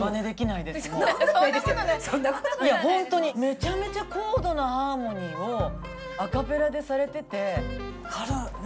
いや本当にめちゃめちゃ高度なハーモニーをアカペラでされてて。